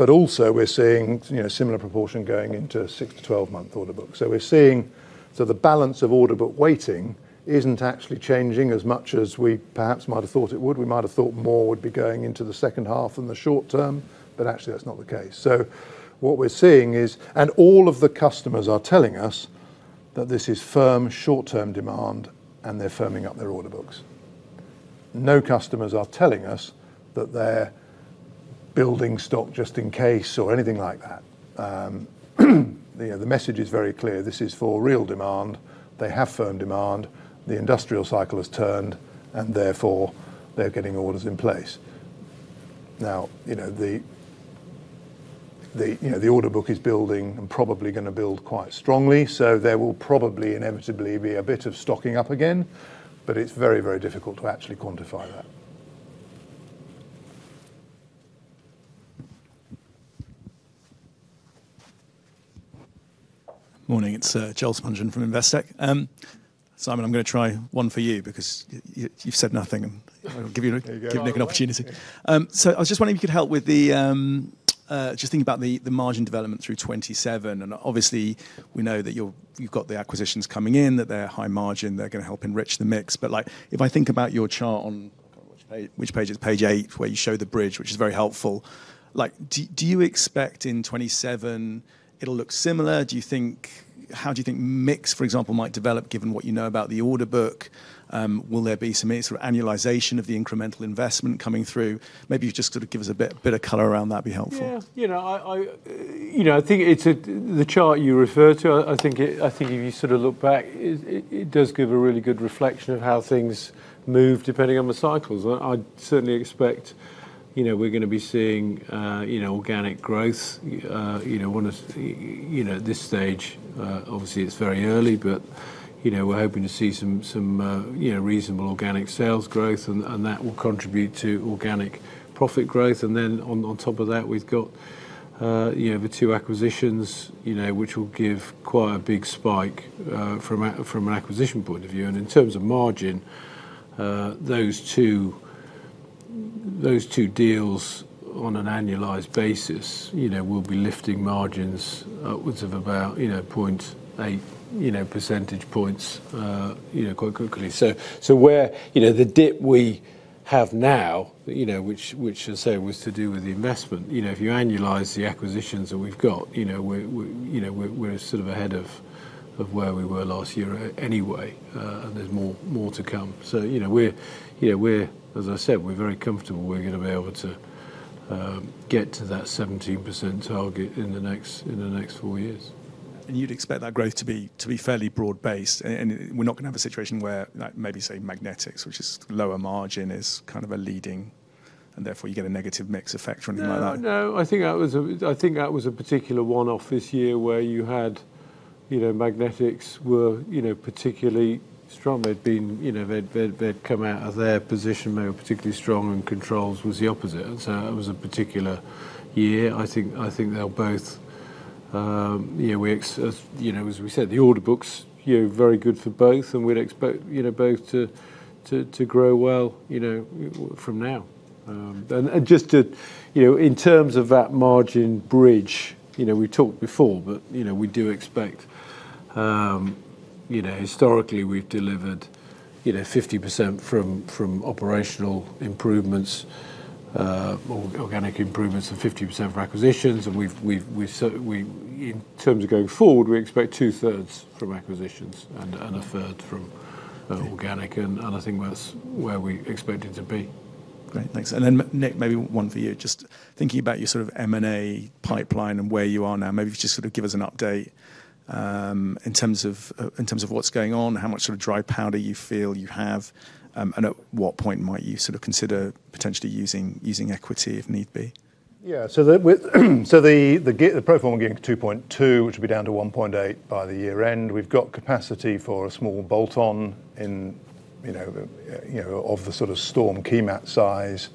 S1: Also, we're seeing a similar proportion going into six- to 12-month order book. We're seeing the balance of order book waiting isn't actually changing as much as we perhaps might have thought it would. We might have thought more would be going into the second half in the short term, but actually that's not the case. What we're seeing is, and all of the customers are telling us that this is firm short-term demand, and they're firming up their order books. No customers are telling us that they're building stock just in case or anything like that. The message is very clear. This is for real demand. They have firm demand. The industrial cycle has turned and therefore they're getting orders in place. Now, the order book is building and probably going to build quite strongly. There will probably inevitably be a bit of stocking up again, but it's very difficult to actually quantify that.
S7: Morning. It's Joel Spungin from Investec. Simon, I'm going to try one for you because you've said nothing. I'll give Nick an opportunity. I was just wondering if you could help with the just think about the margin development through 2027. Obviously we know that you've got the acquisitions coming in, that they're high margin, they're going to help enrich the mix. If I think about your chart on, I can't remember which page, it's page eight, where you show the bridge, which is very helpful. Do you expect in 2027 it'll look similar? How do you think mix, for example, might develop given what you know about the order book? Will there be some annualization of the incremental investment coming through? Maybe if you just give us a bit of color around that, it'd be helpful.
S2: I think the chart you refer to, I think if you look back, it does give a really good reflection of how things move depending on the cycles. I certainly expect we're going to be seeing organic growth at this stage. Obviously, it's very early, but we're hoping to see some reasonable organic sales growth, and that will contribute to organic profit growth. On top of that, we've got the two acquisitions which will give quite a big spike from an acquisition point of view. In terms of margin, those two deals on an annualized basis will be lifting margins upwards of about 0.8 percentage points quite quickly. Where the dip we have now, which as I say was to do with the investment, if you annualize the acquisitions that we've got, we're sort of ahead of where we were last year anyway. There's more to come. As I said, we're very comfortable we're going to be able to get to that 17% target in the next four years.
S7: You'd expect that growth to be fairly broad-based. We're not going to have a situation where maybe, say, Magnetics, which is lower margin, is a leading. Therefore you get a negative mix effect or anything like that?
S2: No, I think that was a particular one-off this year where you had Magnetics were particularly strong. They'd come out of their position, they were particularly strong, and Controls was the opposite. That was a particular year. I think they'll both, as we said, the order books very good for both and we'd expect both to grow well from now. Just to, in terms of that margin bridge, we talked before, but we do expect, historically we've delivered 50% from operational improvements, organic improvements and 50% from acquisitions. In terms of going forward, we expect two thirds from acquisitions and a third from organic, and I think that's where we expect it to be.
S7: Great, thanks. Nick, maybe one for you, just thinking about your sort of M&A pipeline and where you are now, maybe if you just sort of give us an update, in terms of what's going on, how much sort of dry powder you feel you have, and at what point might you sort of consider potentially using equity if need be?
S1: The pro forma gearing 2.2, which will be down to 1.8 by the year end. We've got capacity for a small bolt on of the sort of Storm Interface size,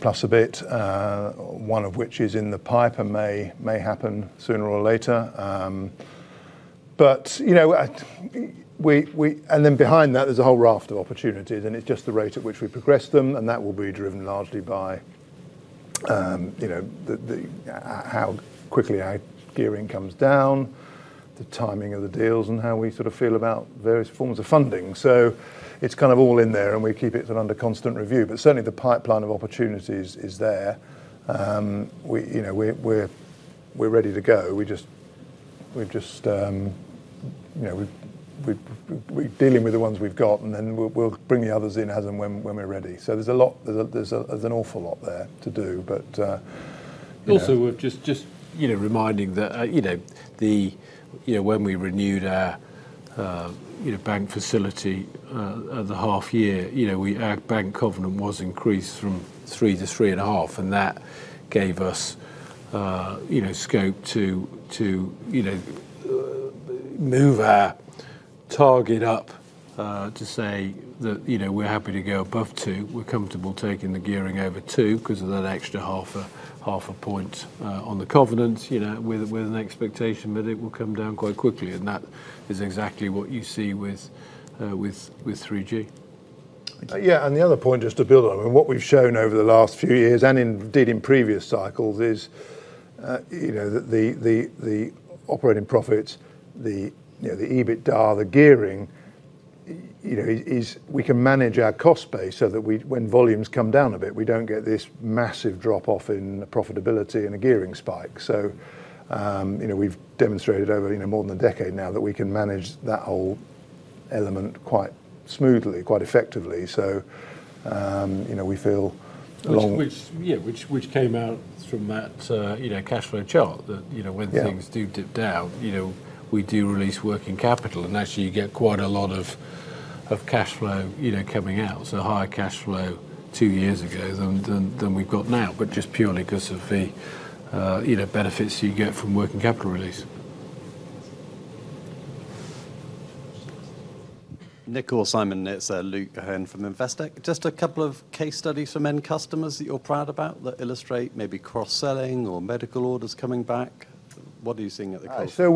S1: plus a bit, one of which is in the pipe and may happen sooner or later. Then behind that there's a whole raft of opportunities, and it's just the rate at which we progress them. That will be driven largely by how quickly our gearing comes down, the timing of the deals, and how we sort of feel about various forms of funding. It's kind of all in there and we keep it under constant review, but certainly the pipeline of opportunities is there. We're ready to go. We're dealing with the ones we've got, then we'll bring the others in as and when we're ready. There's an awful lot there to do.
S2: We're just reminding that when we renewed our bank facility at the half year, our bank covenant was increased from three to three and a half, that gave us scope to move our target up, to say that we're happy to go above two. We're comfortable taking the gearing over two because of that extra half a point on the covenant, with an expectation that it will come down quite quickly. That is exactly what you see with 3Gmetalworx.
S1: Yeah. The other point, just to build on, what we've shown over the last few years and indeed in previous cycles is the operating profits, the EBITDA, the gearing is we can manage our cost base so that when volumes come down a bit, we don't get this massive drop-off in profitability and a gearing spike. We've demonstrated over more than a decade now that we can manage that whole element quite smoothly, quite effectively.
S2: Which came out from that cash flow chart that when things do dip down, we do release working capital and actually you get quite a lot of cash flow coming out. Higher cash flow two years ago than we've got now. Just purely because of the benefits you get from working capital release.
S8: Nick or Simon, it's Luke Ahern from Investec. Just a couple of case studies from end customers that you are proud about that illustrate maybe cross-selling or medical orders coming back. What are you seeing at the customer?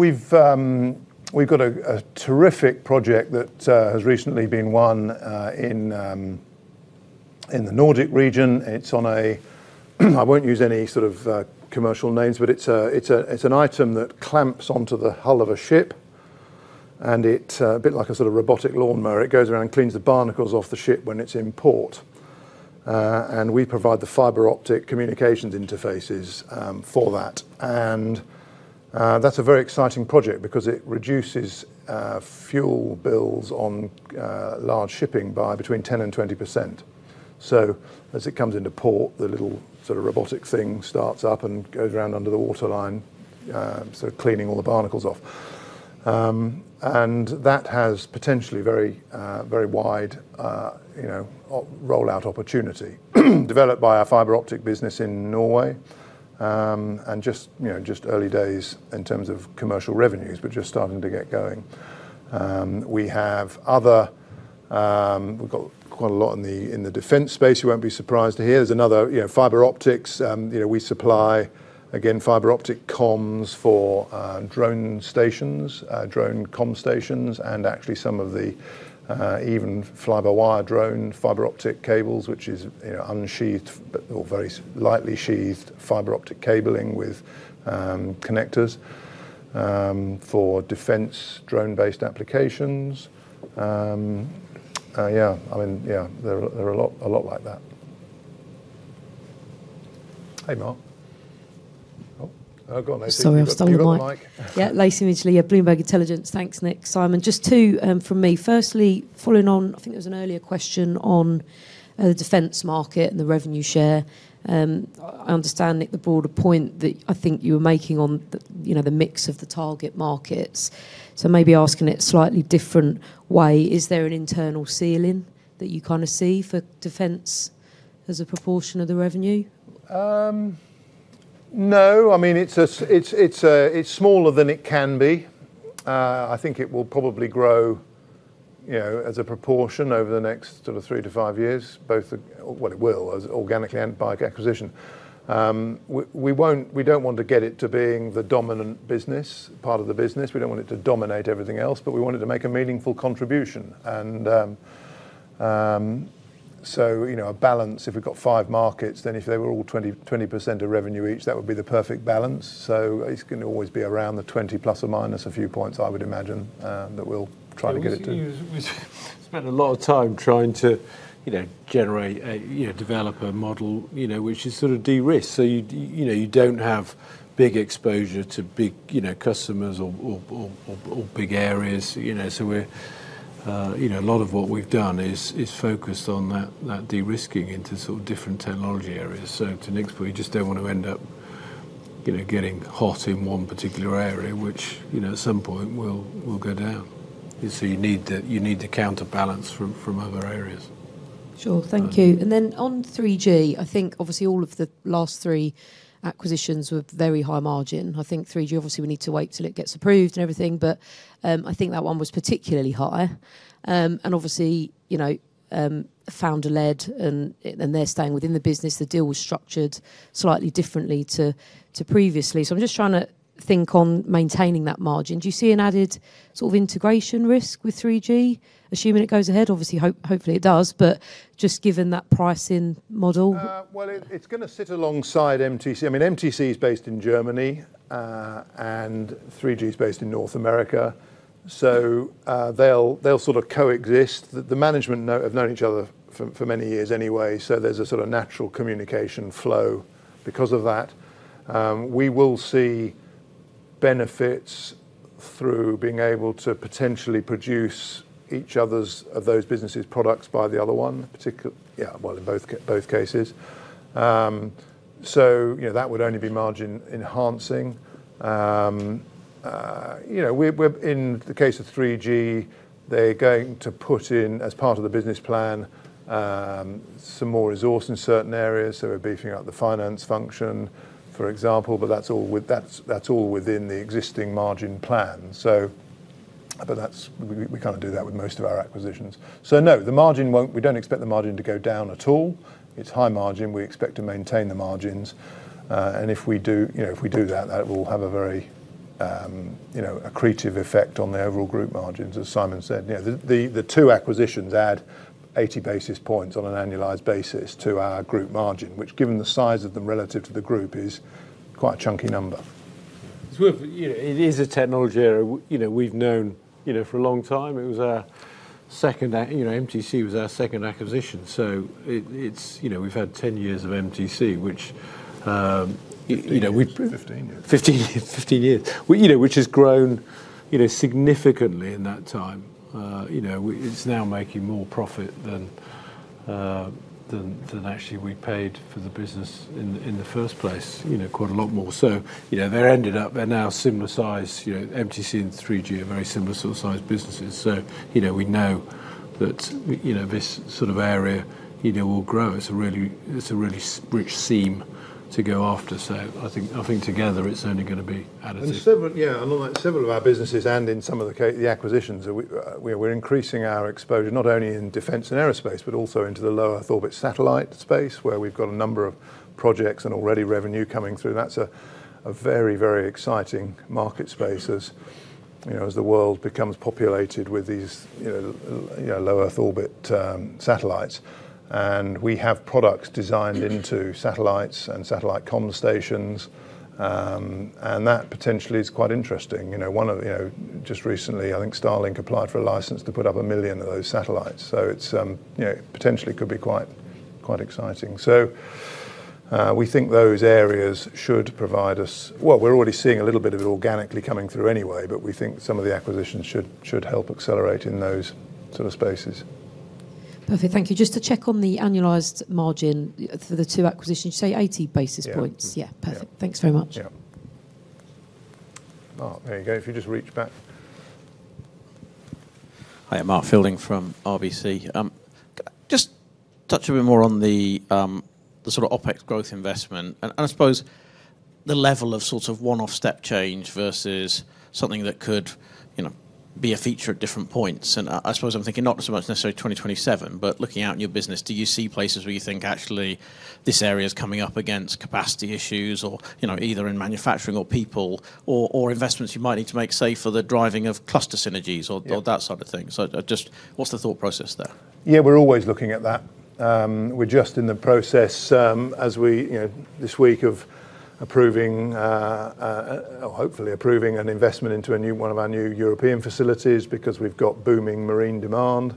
S1: We've got a terrific project that has recently been won in the Nordic region. It's on a I won't use any sort of commercial names, but it's an item that clamps onto the hull of a ship and it a bit like a sort of robotic lawnmower. It goes around and cleans the barnacles off the ship when it's in port. We provide the fibre optic communications interfaces for that. That's a very exciting project because it reduces fuel bills on large shipping by between 10% and 20%. As it comes into port, the little sort of robotic thing starts up and goes round under the waterline, sort of cleaning all the barnacles off. That has potentially very wide rollout opportunity. Developed by our fibre optic business in Norway. Just early days in terms of commercial revenues, but just starting to get going. We've got quite a lot in the defense space you won't be surprised to hear. There's another fiber optics, we supply, again, fiber optic comms for drone stations, drone comm stations and actually some of the even fiber wire drone fiber optic cables which is unsheathed or very lightly sheathed fiber optic cabling with connectors, for defense drone based applications. There are a lot like that. Hey, Mark. I've got no signal.
S9: Sorry, I've stolen your mic.
S1: You've got the mic.
S9: Lacey Midgley, Bloomberg Intelligence. Thanks Nick. Simon, just two from me. Firstly, following on, I think there was an earlier question on the defense market and the revenue share. I understand, Nick, the broader point that I think you were making on the mix of the target markets. Maybe asking it slightly different way, is there an internal ceiling that you kind of see for defense as a proportion of the revenue?
S1: No. It's smaller than it can be. I think it will probably grow as a proportion over the next sort of three to five years. Well, it will, as organically and by acquisition. We don't want to get it to being the dominant business, part of the business. We don't want it to dominate everything else, we want it to make a meaningful contribution. A balance. If we've got five markets, if they were all 20% of revenue each, that would be the perfect balance. It's going to always be around the 20 ± a few points, I would imagine, that we'll try to get it to.
S2: We spent a lot of time trying to generate a developer model which is sort of de-risk. You don't have big exposure to big customers or big areas. A lot of what we've done is focused on that de-risking into sort of different technology areas. To an extent, we just don't want to end up getting hot in one particular area, which, at some point, will go down. You need the counterbalance from other areas.
S9: Sure. Thank you. On 3Gmetalworx, I think obviously all of the last three acquisitions were very high margin. I think 3Gmetalworx, obviously, we need to wait till it gets approved and everything, but I think that one was particularly high. Obviously, founder-led, and they're staying within the business. The deal was structured slightly differently to previously. I'm just trying to think on maintaining that margin. Do you see an added sort of integration risk with 3Gmetalworx, assuming it goes ahead? Obviously, hopefully it does. Just given that pricing model.
S1: Well, it's going to sit alongside MTC. MTC is based in Germany, and 3G is based in North America. They'll sort of coexist. The management have known each other for many years anyway, so there's a sort of natural communication flow because of that. We will see benefits through being able to potentially produce each other's of those businesses products by the other one. Yeah, well, in both cases. That would only be margin-enhancing. In the case of 3G, they're going to put in, as part of the business plan, some more resource in certain areas. We're beefing up the finance function, for example. That's all within the existing margin plan. We kind of do that with most of our acquisitions. No, we don't expect the margin to go down at all. It's high margin. We expect to maintain the margins. If we do that will have a very accretive effect on the overall group margins, as Simon said. The two acquisitions add 80 basis points on an annualized basis to our group margin, which, given the size of them relative to the group, is quite a chunky number.
S2: It is a technology area we've known for a long time. MTC was our second acquisition. We've had 10 years of MTC.
S1: 15 years.
S2: 15 years. Which has grown significantly in that time. It's now making more profit than actually we paid for the business in the first place. Quite a lot more so. They're now similar size. MTC and 3G are very similar sort of size businesses. We know that this sort of area will grow. It's a really rich seam to go after. I think together it's only going to be additive.
S1: Several, yeah. On like several of our businesses and in some of the acquisitions, we're increasing our exposure, not only in defense and aerospace, but also into the low-Earth orbit satellite space, where we've got a number of projects and already revenue coming through. That's a very, very exciting market space as the world becomes populated with these low-Earth orbit satellites. We have products designed into satellites and satellite comms stations. That potentially is quite interesting. Just recently, I think Starlink applied for a license to put up 1 million of those satellites. It potentially could be quite exciting. We think those areas should provide us Well, we're already seeing a little bit of it organically coming through anyway, but we think some of the acquisitions should help accelerate in those sort of spaces.
S9: Perfect. Thank you. Just to check on the annualized margin for the two acquisitions, you say 80 basis points?
S1: Yeah.
S9: Yeah, perfect.
S1: Yeah.
S9: Thanks very much.
S1: Yeah. Mark, there you go. If you just reach back.
S10: Hi. Mark Fielding from RBC. Just touch a bit more on the sort of OpEx growth investment and, I suppose the level of sort of one-off step change versus something that could be a feature at different points. I suppose I'm thinking not so much necessarily 2027, but looking out in your business, do you see places where you think actually this area's coming up against capacity issues, either in manufacturing or people or investments you might need to make, say, for the driving of cluster synergies or that sort of thing? Just what's the thought process there?
S1: Yeah, we're always looking at that. We're just in the process this week of approving, or hopefully approving an investment into one of our new European facilities because we've got booming marine demand.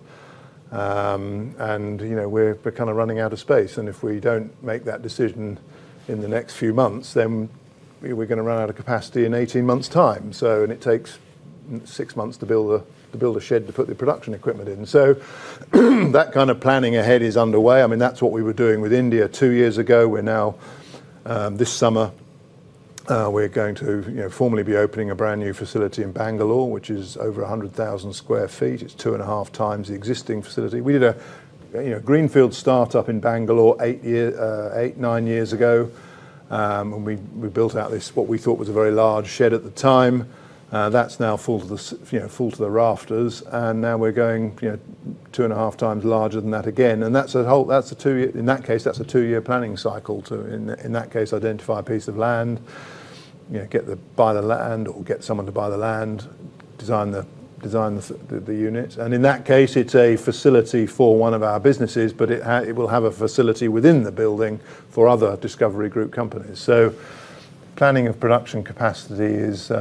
S1: We're kind of running out of space, and if we don't make that decision in the next few months, then we're going to run out of capacity in 18 months' time. It takes six months to build a shed to put the production equipment in. That kind of planning ahead is underway. That's what we were doing with India two years ago. We're now, this summer, we're going to formally be opening a brand new facility in Bangalore, which is over 100,000 sq ft. It's two and a half times the existing facility. We did a greenfield start-up in Bangalore eight, nine years ago. We built out this, what we thought was a very large shed at the time. That's now full to the rafters. Now we're going 2.5 times larger than that again. In that case, that's a two-year planning cycle. To, in that case, identify a piece of land, buy the land or get someone to buy the land, design the unit. In that case, it's a facility for one of our businesses, but it will have a facility within the building for other discoverIE Group companies. Planning of production capacity is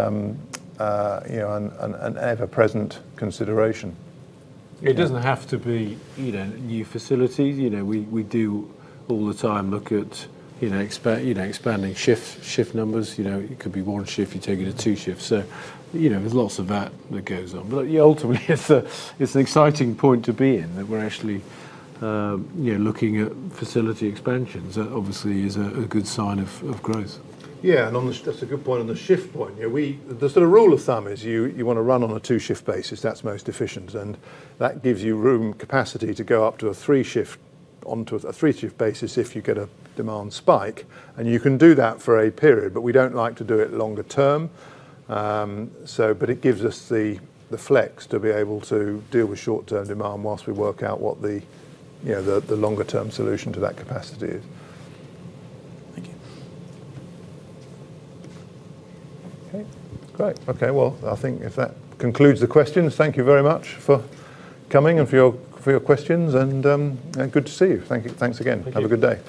S1: an ever-present consideration.
S2: It doesn't have to be new facilities. We do all the time look at expanding shift numbers. It could be one shift, you take it to two shifts. There's lots of that that goes on. Ultimately, it's an exciting point to be in, that we're actually looking at facility expansions. That obviously is a good sign of growth.
S1: That's a good point on the shift point. The sort of rule of thumb is you want to run on a two-shift basis that's most efficient, and that gives you room capacity to go up onto a three-shift basis if you get a demand spike. You can do that for a period, but we don't like to do it longer term. It gives us the flex to be able to deal with short-term demand while we work out what the longer-term solution to that capacity is.
S10: Thank you.
S1: Okay. Great. Okay, well, I think if that concludes the questions, thank you very much for coming and for your questions and good to see you. Thanks again.
S10: Thank you.
S1: Have a good day.